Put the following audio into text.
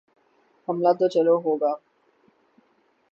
حملہ تو چلو ہو گیا۔